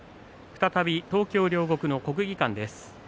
再び東京・両国の国技館です。